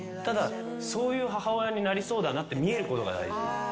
ただそういう母親になりそうだなって見えることが大事。